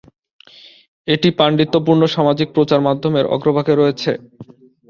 এটি পাণ্ডিত্যপূর্ণ সামাজিক প্রচার মাধ্যমের অগ্রভাগে রয়েছে।